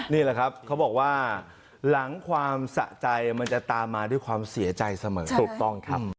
นี่แหละครับเขาบอกว่าหลังความสะใจมันจะตามมาด้วยความเสียใจเสมอถูกต้องครับ